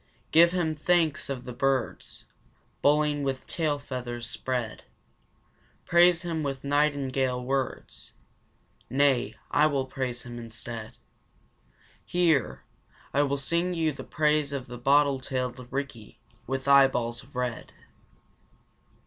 Give him the Thanks of the Birds, Bowing with tail feathers spread! Praise him with nightingale words Nay, I will praise him instead. Hear! I will sing you the praise of the bottle tailed Rikki, with eyeballs of red!